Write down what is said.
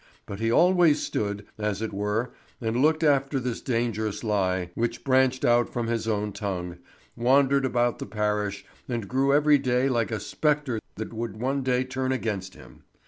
But he always stood, as it were, and looked after this dangerous lie, which branched out from his own tongue, wandered about the parish, and grew every day like a spectre that would one day turn against him.